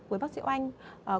với bác sĩ hoàng anh